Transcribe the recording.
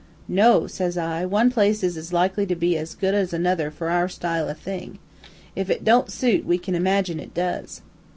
"'No,' says I, 'one place is as likely to be as good as another for our style o' thing. If it don't suit, we can imagine it does.'